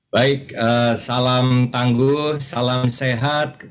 baik salam tangguh salam sehat